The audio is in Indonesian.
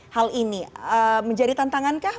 hal ini menjadi tantangankah